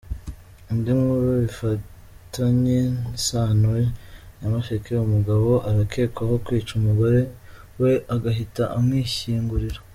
Indi nkuru bifitanye isano :Nyamasheke: Umugabo arakekwaho kwica umugore we agahita amwishyingurira.